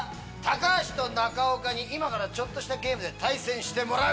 橋と中岡に今からちょっとしたゲームで対戦してもらう。